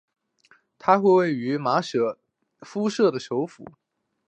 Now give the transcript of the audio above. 它位于马佐夫舍省的首府。